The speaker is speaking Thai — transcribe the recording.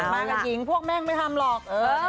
มากกว่าจริงพวกแม่งไม่ทำหรอก